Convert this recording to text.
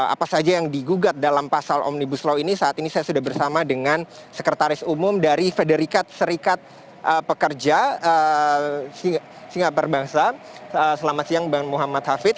apa saja yang digugat dalam pasal omnibus law ini saat ini saya sudah bersama dengan sekretaris umum dari federikat serikat pekerja singapura bangsa selamat siang bang muhammad hafid